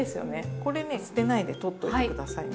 これね捨てないでとっといて下さいね。